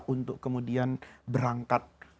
untuk kemudian berangkat